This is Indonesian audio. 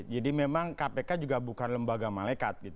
jadi memang kpk juga bukan lembaga malekat